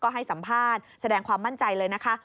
ให้สัมภาษณ์แสดงความมั่นใจเลยนะคะ